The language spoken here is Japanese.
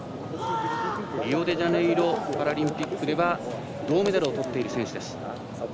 リオデジャネイロパラリンピックでは銅メダルをとっている選手です。